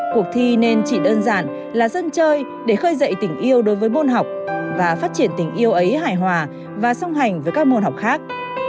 cuộc thi nên chỉ đơn giản là dân chơi để khơi dậy tình yêu đối với môn học và phát triển tình yêu ấy hài hòa và song hành với các môn học khác